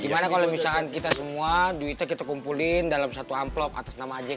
gimana kalo misalnya kita semua duitnya kita kumpulin dalam satu amplok atas nama ajk